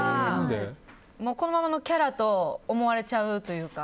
このままのキャラと思われちゃうというか？